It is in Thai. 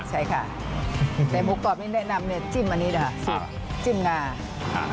ใช่ค่ะแต่หมูกรอบไม่แนะนำเนี่ยจิ้มอันนี้นะคะจิ้มงาครับ